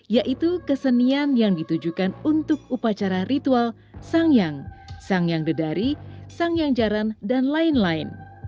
yaitu kesenian yang ditujukan untuk upacara ritual sangyang sangyang dedari sangyang jaran dan lain lain